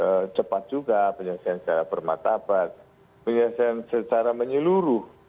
penyesuaian juga penyesuaian secara bermatabat penyesuaian secara menyeluruh